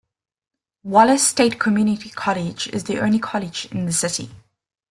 Wallace State Community College is the only college in the city.